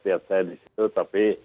lihat saya disitu tapi